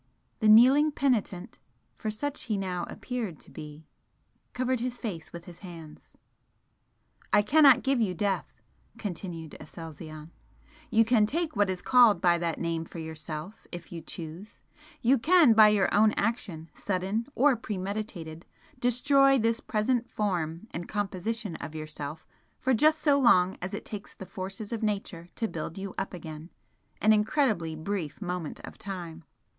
The kneeling penitent for such he now appeared to be covered his face with his hands. "I cannot give you death," continued Aselzion "You can take what is called by that name for yourself if you choose you can by your own action, sudden or premeditated, destroy this present form and composition of yourself for just so long as it takes the forces of Nature to build you up again an incredibly brief moment of time!